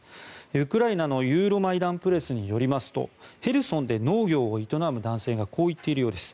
ウクライナのユーロマイダン・プレスによりますとヘルソンで農業を営む男性がこう言っているようです。